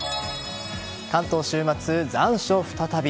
関東週末、残暑再び。